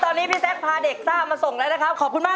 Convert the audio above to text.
เออมานี่ข้างหน้ากันโดนเลย